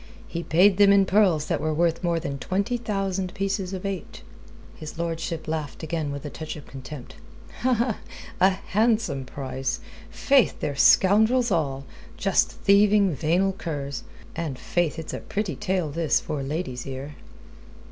He paid them in pearls that were worth more than twenty thousand pieces of eight." His lordship laughed again with a touch of contempt. "A handsome price! Faith, they're scoundrels all just thieving, venal curs. And faith, it's a pretty tale this for a lady's ear."